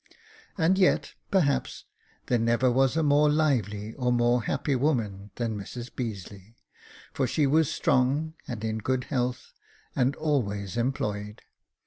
And yet, perhaps, there never was a more lively or a more happy woman than Mrs Beazeley, for she was strong and in good health, and always employed.